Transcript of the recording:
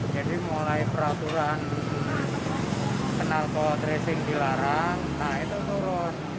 jadi mulai peraturan kenalpot racing dilarang nah itu turun